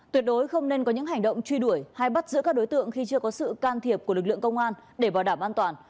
tuyệt đối không nên có những hành động truy đuổi hay bắt giữ các đối tượng khi chưa có sự can thiệp của lực lượng công an để bảo đảm an toàn